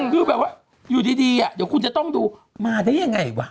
คือแบบว่าอยู่ดีเดี๋ยวคุณจะต้องดูมาได้ยังไงวะ